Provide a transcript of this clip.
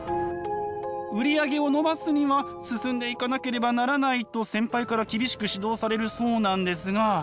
売り上げを伸ばすには進んで行かなければならないと先輩から厳しく指導されるそうなんですが